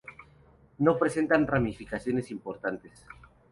No presenta ramificaciones importantes.